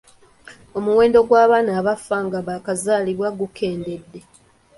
Omuwendo gw’abaana abafa nga baakazaalibwa gukendedde.